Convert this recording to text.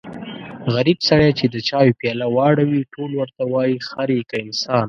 غریب سړی چې د چایو پیاله واړوي ټول ورته وایي خر يې که انسان.